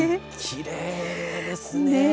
きれいですね。